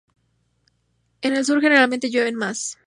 En el sur generalmente llueve más.